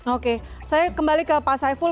oke saya kembali ke pak saiful